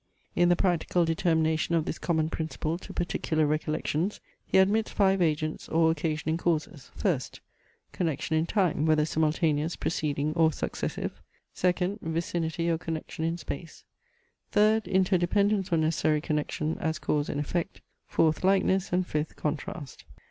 In the practical determination of this common principle to particular recollections, he admits five agents or occasioning causes: first, connection in time, whether simultaneous, preceding, or successive; second, vicinity or connection in space; third, interdependence or necessary connection, as cause and effect; fourth, likeness; and fifth, contrast.